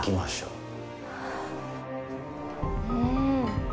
うん！